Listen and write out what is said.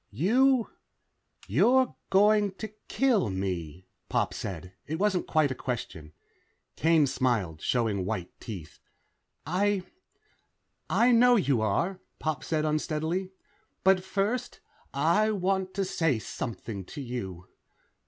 "You ... you're going to kill me," Pop said. It wasn't a question. Kane smiled, showing white teeth. "I ... I know you are," Pop said unsteadily. "But first, I want to say something to you."